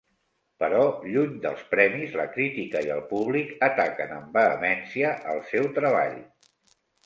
Però lluny dels premis, la crítica i el públic ataquen amb vehemència el seu treball.